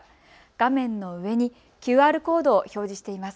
画面の上にＱＲコードを表示しています。